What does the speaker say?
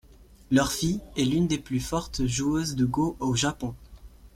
Leur fille, est l'une des plus fortes joueuses de go au Japon.